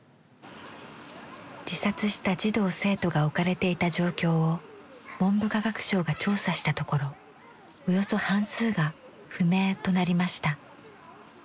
自殺した児童生徒が置かれていた状況を文部科学省が調査したところおよそ半数が「不明」となりました。